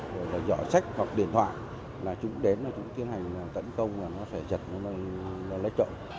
rồi là dõi sách hoặc điện thoại là chúng đến là chúng tiến hành tấn công là nó sẽ giật nó lên trội